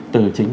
từ chính mình